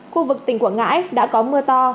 khu vực tỉnh quảng ngãi đã có mưa to